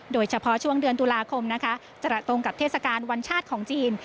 โดยเฉพาะช่วงเดือนตุลาคมนะคะจะตรงกับเทศกาลวันชาติของจีน